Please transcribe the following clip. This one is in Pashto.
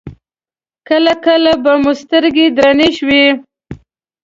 کله کله به مو سترګې درنې شوې.